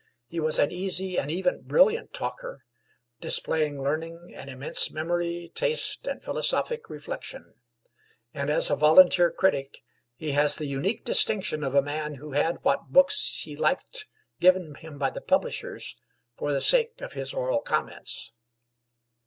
He was an easy and even brilliant talker, displaying learning and immense memory, taste, and philosophic reflection; and as a volunteer critic he has the unique distinction of a man who had what books he liked given him by the publishers for the sake of his oral comments!